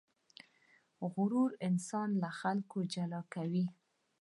غرور انسان له خلکو جلا کوي.